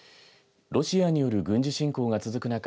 ロシアによる軍事侵攻が続く中